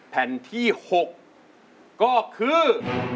แผ่นที่๖ก็คือ